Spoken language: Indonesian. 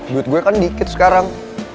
buat gue kan dikit sekarang